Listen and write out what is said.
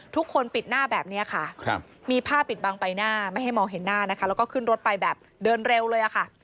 ทุกคนปิดหน้าแบบนี้ค่ะมีผ้าปิดบังใบหน้าไม่ให้มองเห็นหน้านะคะแล้วก็ขึ้นรถไปแบบเดินเร็วเลยค่ะ